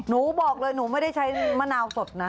บอกเลยหนูไม่ได้ใช้มะนาวสดนะ